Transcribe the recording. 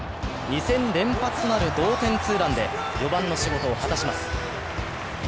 ２戦連発となる同点ツーランで４番の仕事を果たします。